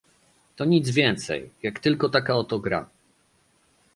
To nic więcej, jak tylko taka oto gra